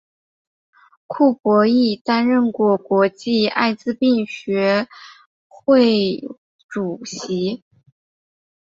库珀亦担任过国际艾滋病学会主席。